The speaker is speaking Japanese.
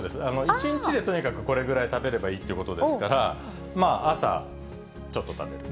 １日でとにかく、これぐらい食べればいいってことですから、まあ、朝ちょっと食べる。